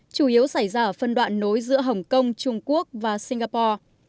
chủ yếu xảy ra ở phân đoạn nối giữa hồng kông trung quốc và singapore